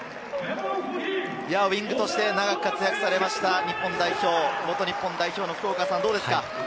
ウイングとして長く活躍されました、元日本代表の福岡さん、どうですか？